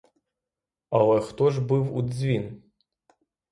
Але хто ж бив у дзвін?